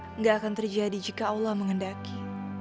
tidak akan terjadi jika allah mengendaki